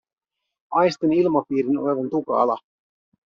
Aistin ilmapiirin olevan tukala.